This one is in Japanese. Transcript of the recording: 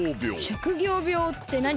職業病ってなに？